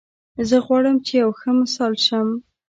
زه غواړم چې یو ښه مثال شم